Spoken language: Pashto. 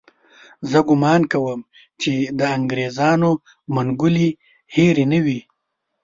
زه ګومان کوم چې د انګریزانو منګولې هېرې نه وي.